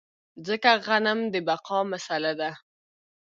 ځکه غنم د بقا مسئله ده.